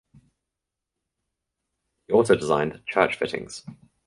He also designed church fittings.